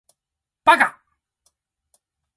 八嘎！